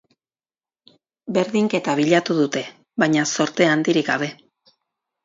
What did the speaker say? Berdinketa bilatu dute, baina zorte handirik gabe.